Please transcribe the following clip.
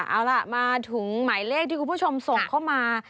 เอาล่ะมาถึงหมายเลขที่คุณผู้ชมส่งเข้ามา